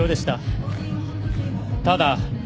ただ。